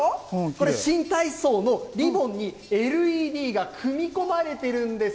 これ、新体操のリボンにＬＥＤが組み込まれてるんです。